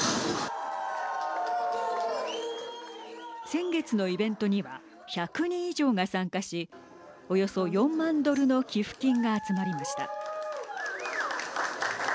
先月のイベントには１００人以上が参加しおよそ４万ドルの寄付金が集まりました。